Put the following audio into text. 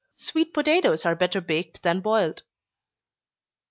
Sweet potatoes are better baked than boiled.